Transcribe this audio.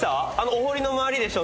お堀の周りでしょ？